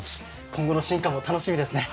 今後の進化も楽しみですね。